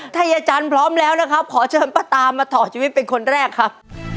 ถ้ายายจันทร์พร้อมแล้วนะครับขอเชิญป้าตามาต่อชีวิตเป็นคนแรกครับ